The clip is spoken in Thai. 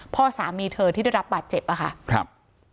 พ่อสามีเธอที่ได้รับบาดเจ็บอะค่ะครับ